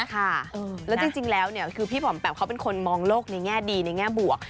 ค่ะแล้วจริงแล้วเนี่ยคือพี่ผอมแปมเขาเป็นคนมองโลกในแง่ดีในแง่บวก